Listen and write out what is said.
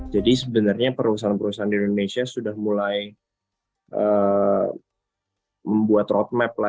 jadi sebenarnya perusahaan perusahaan di indonesia sudah mulai membuat roadmap